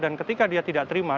dan ketika dia tidak terima